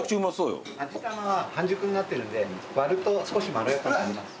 味玉は半熟になってるんで割ると少しまろやかになります。